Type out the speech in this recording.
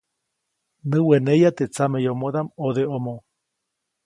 Näweneya teʼ tsameyomodaʼm ʼodeʼomo.